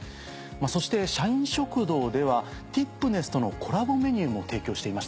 そして社員食堂ではティップネスとのコラボメニューも提供していましたね。